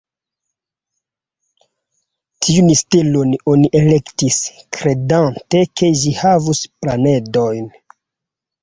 Tiun stelon oni elektis, kredante ke ĝi havus planedojn.